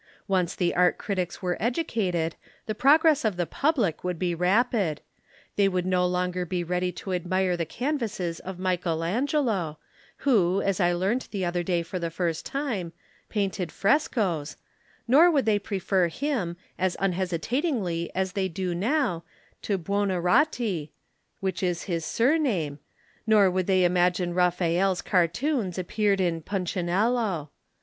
Once the art critics were educated, the progress of the public would be rapid. They would no longer be ready to admire the canvases of Michael Angelo, who, as I learnt the other day for the first time, painted frescoes, nor would they prefer him, as unhesitatingly as they do now, to Buonarotti, which is his surname, nor would they imagine Raffaelle's Cartoons appeared in Puncinello.